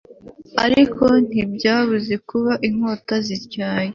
ariko ntibiyabuze kuba inkota zityaye